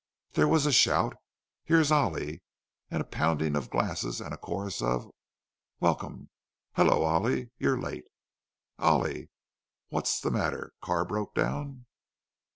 There was a shout, "Here's Ollie!"—and a pounding of glasses and a chorus of welcome—"Hello, Ollie! You're late, Ollie! What's the matter—car broke down?"